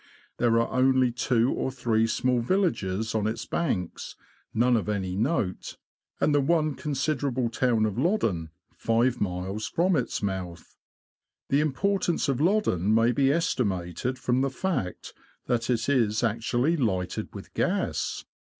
There are only two or three small villages on its banks (none of any note), and the one considerable town of Loddon, five miles from its mouth. The im portance of Loddon may be estimated from the fact that it is actually lighted with gas